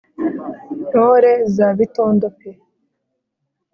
ntore za bitondo pe